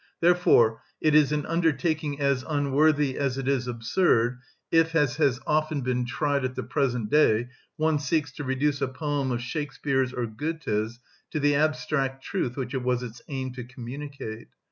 Therefore it is an undertaking as unworthy as it is absurd if, as has often been tried at the present day, one seeks to reduce a poem of Shakspeare's or Goethe's to the abstract truth which it was its aim to communicate.